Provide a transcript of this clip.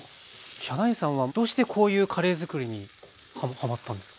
ヒャダインさんはどうしてこういうカレーづくりにはまったんですか？